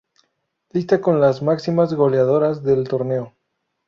Lista con las máximas goleadoras del torneo.